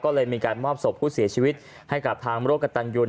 ก็เลยมีการมอบศพผู้เสียชีวิตให้กับทางโรคกระตันยู